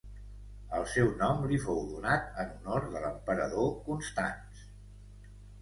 El seu nom li fou donat en honor de l'emperador Constanç.